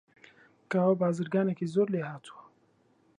کاوە بازرگانێکی زۆر لێهاتووە.